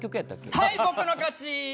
はい僕の勝ち！